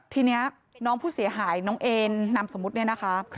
ทีนี้น้องผู้เสียหายน้องเอนนามสมมุติเนี่ยนะคะ